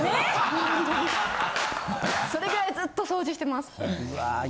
それぐらいずっと掃除してます。